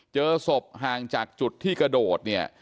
เจอศพห่างจากจุดที่กระโดดเนี่ย